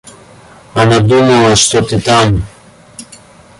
Она думала, что ты там.